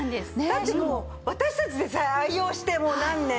だってもう私たちでさえ愛用してもう何年。